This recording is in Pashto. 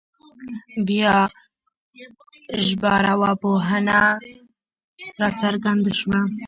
بیا ژبارواپوهنه راڅرګنده شوه